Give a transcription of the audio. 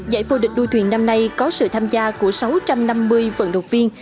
giải vô địch đua thuyền năm nay có sự tham gia của sáu trăm năm mươi vận động viên